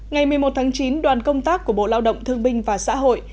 ngày một mươi một tháng chín đoàn công tác của bộ lao động thương binh và xã hội